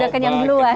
sudah kenyang duluan